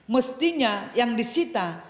mestinya yang disita